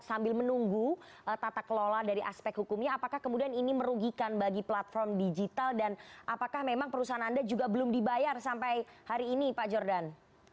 dan sambil menunggu tata kelola dari aspek hukumnya apakah kemudian ini merugikan bagi platform digital dan apakah memang perusahaan anda juga belum dibayar sampai hari ini pak jordan